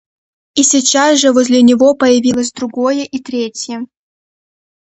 И сейчас же возле него появилось другое и третье.